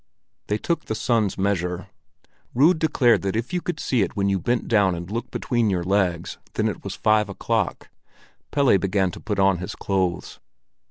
They took the sun's measure. Rud declared that if you could see it when you bent down and looked between your legs, then it was five o'clock. Pelle began to put on his clothes.